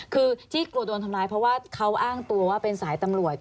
คือที่กลัวโดนทำร้ายเพราะว่าเขาอ้างตัวว่าเป็นสายตำรวจ